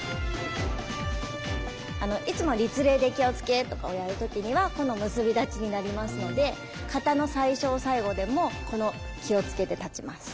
いつも立礼で気をつけとかをやる時にはこの結び立ちになりますので形の最初最後でもこの気をつけで立ちます。